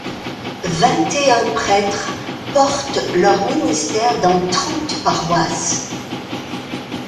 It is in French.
Vingt-et-un prêtres portent leur ministère dans trente paroisses.